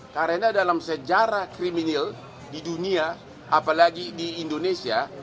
karena dalam sejarah kriminal di dunia apalagi di indonesia